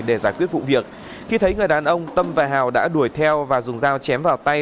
để giải quyết vụ việc khi thấy người đàn ông tâm và hào đã đuổi theo và dùng dao chém vào tay